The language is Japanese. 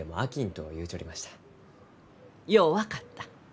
よう分かった。